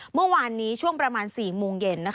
เมื่อวานนี้ช่วงประมาณ๔โมงเย็น